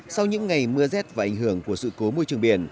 sau những ngày mưa rét và ảnh hưởng của sự cố môi trường biển